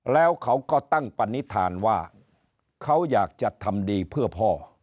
แล้วเขาก็ตั้งปณิธานว่าเขาอยากจะทำดีเพื่อพ่อ